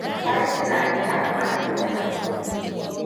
Ta yi tunananin ya kamata ta yi hakan.